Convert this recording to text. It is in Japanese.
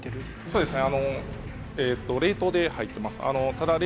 そうですね